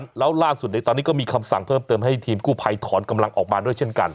แล้วล่าสุดในตอนนี้ก็มีคำสั่งเพิ่มเติมให้ทีมกู้ภัยถอนกำลังออกมาด้วยเช่นกัน